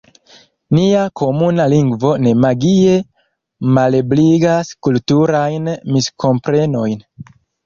Nia komuna lingvo ne magie malebligas kulturajn miskomprenojn.